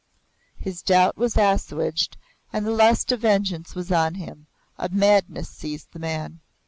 His doubt was assuaged and the lust of vengeance was on him a madness seized the man.